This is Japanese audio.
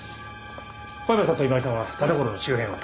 小山さんと今井さんは田所の周辺を。